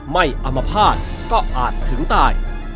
ไม่อำมพาตก็อาจถึงตาย